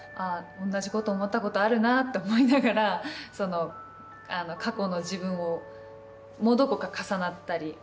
同じこと思ったことあるなって思いながら過去の自分もどこか重なったり。